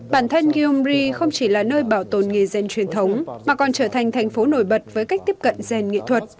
bản thân gyungri không chỉ là nơi bảo tồn nghề gen truyền thống mà còn trở thành thành phố nổi bật với cách tiếp cận gen nghệ thuật